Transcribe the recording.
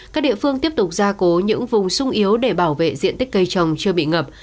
các địa phương tiếp tục gia cố những vùng sung yếu để bảo vệ diện tích cây trồng chưa bị ngập